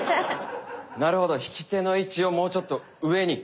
なるほど引き手の位置をもうちょっと上に。